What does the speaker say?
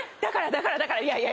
だからだからいやいや。